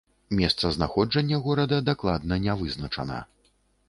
Месцазнаходжанне горада дакладна не вызначана.